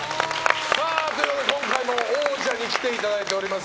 今回も王者に来ていただいております。